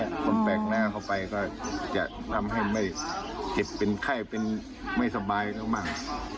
คนแปลกหน้าเข้าไปก็จะทำให้ไม่เจ็บเป็นไข้เป็นไม่สบายเขาบ้าง